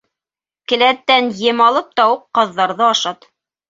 Келәттән ем алып тауыҡ-ҡаҙҙарҙы ашат.